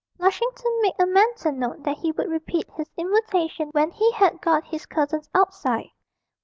Lushington made a mental note that he would repeat his invitation when he had got his cousins outside.